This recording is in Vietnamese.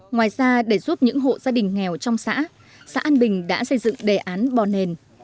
ngoài ra để giúp những hộ gia đình nghèo trong xã xã an bình đã xây dựng đề án bò nền